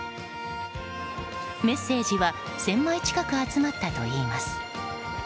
メッセージは１０００枚近く集まったといいます。